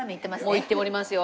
もういっておりますよ。